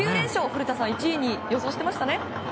古田さん１位に予想してましたね。